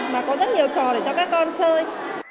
mà có rất nhiều trò để cho các con chơi